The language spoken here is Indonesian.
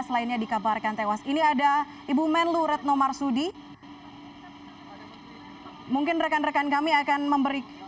lainnya dikabarkan tewas ini ada ibu menlu retno marsudi mungkin rekan rekan kami akan memberi